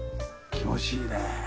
気持ちいいです。